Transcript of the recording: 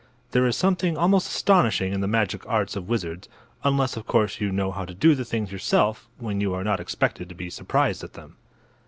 There is something almost astonishing in the magic arts of wizards; unless, of course, you know how to do the things yourself, when you are not expected to be surprised at them.